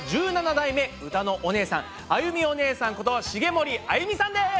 １７代目うたのおねえさんあゆみおねえさんこと茂森あゆみさんです。